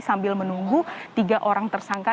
sambil menunggu tiga orang tersangka